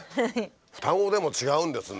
双子でも違うんですね。